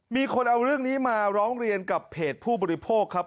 มีคนเอาเรื่องนี้มาร้องเรียนกับเพจผู้บริโภคครับ